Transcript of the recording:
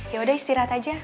yaudah istirahat aja